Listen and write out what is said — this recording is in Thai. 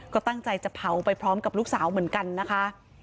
ก็ตั้งใจจะเผาไปพร้อมกับลูกสาวเหมือนกันนะคะ